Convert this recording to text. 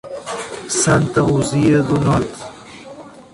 Santa Luzia do Norte